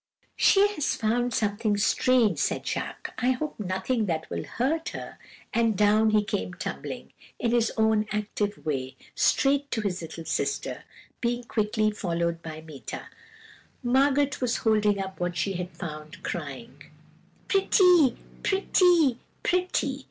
"'She has found something strange,' said Jacques; 'I hope nothing that will hurt her.' And down he came tumbling, in his own active way, straight to his little sister, being quickly followed by Meeta. "Margot was holding up what she had found, crying: "'Pretty, pretty, pretty!'